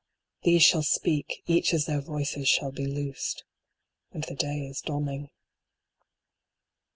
These shall speak, each as their voices shall be loosed. And the day is dawning.